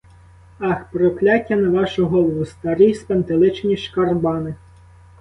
Ах, прокляття на вашу голову, старі спантеличені шкарбани!